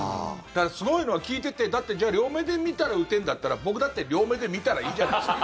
すごいのは、聞いててだって、じゃあ両目で見たら打てんだったら僕だって両目で見たらいいじゃないですか。